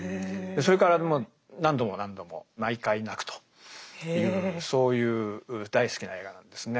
それからもう何度も何度も毎回泣くというそういう大好きな映画なんですね。